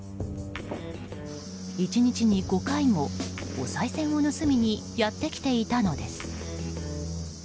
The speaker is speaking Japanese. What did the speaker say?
１日に５回も、おさい銭を盗みにやってきていたのです。